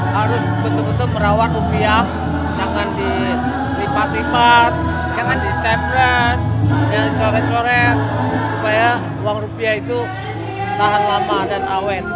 harus betul betul merawat rupiah jangan dilipat lipat jangan di step brand jangan coret coret supaya uang rupiah itu tahan lama dan awet